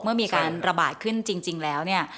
เมื่อมีการระบาดขึ้นจริงแล้วเนี่ย